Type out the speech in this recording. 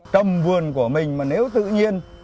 trầm vườn của mình mà nếu tự nhiên